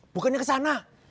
bukannya ke sana